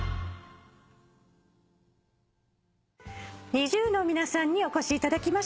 ＮｉｚｉＵの皆さんにお越しいただきました。